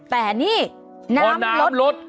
แต่นี่น้ำลลดเพราะน้ำลด